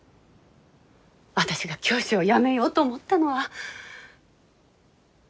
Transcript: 私が教師を辞めようと思ったのは。